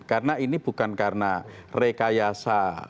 karena ini bukan karena rekayasa